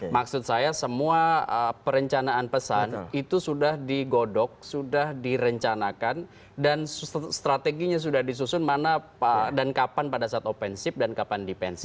maksud saya semua perencanaan pesan itu sudah digodok sudah direncanakan dan strateginya sudah disusun mana dan kapan pada saat openship dan kapan dipensi